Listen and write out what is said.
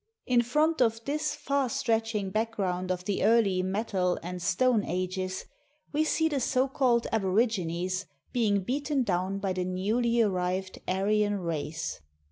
In front of this far stretching background of the Early Metal and Stone Ages, we see the so called Aborigines being beaten down by the newly arrived Aryan race.